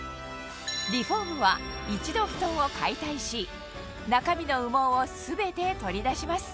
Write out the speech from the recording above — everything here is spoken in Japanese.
リフォームは一度ふとんを解体し中身の羽毛を全て取り出します